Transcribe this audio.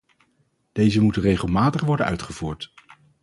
Deze moeten regelmatig worden uitgevoerd.